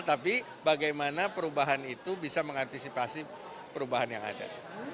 tapi bagaimana perubahan itu bisa mengantisipasi perubahan yang ada